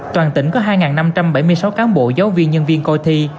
toàn tỉnh có hai năm trăm bảy mươi sáu cán bộ giáo viên nhân viên coi thi